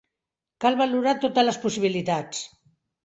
Cal valorar totes les possibilitats.